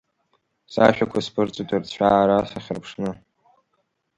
Сашәақәа сԥырҵуеит, рцәаара сахьырԥшны…